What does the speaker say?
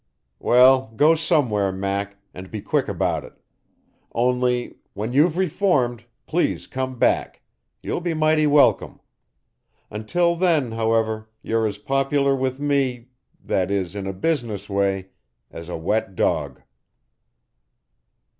"Well, go somewhere, Mac, and be quick about it. Only when you've reformed, please come back. You'll be mighty welcome. Until then, however, you're as popular with me that is, in a business way as a wet dog."